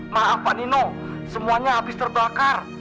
maaf pak nino semuanya habis terbakar